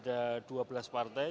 ada dua belas partai